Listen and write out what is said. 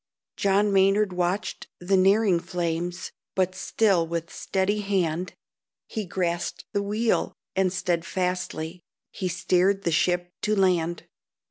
John Maynard watched the nearing flames, But still with steady hand He grasped the wheel, and steadfastly He steered the ship to land.